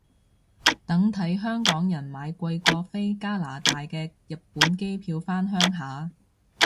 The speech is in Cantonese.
等睇香港人買貴過飛加拿大嘅日本機票返鄉下